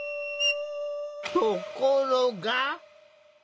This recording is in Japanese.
ところが。